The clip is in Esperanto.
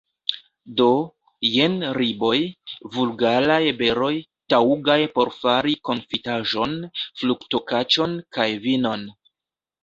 Do, jen riboj, vulgaraj beroj, taŭgaj por fari konfitaĵon, fruktokaĉon kaj vinon.